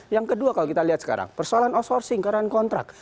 yang kedua kalau kita lihat sekarang persoalan outsourcing karena kontrak